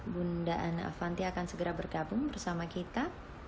bunda ana avanti akan segera bergabung bersama kita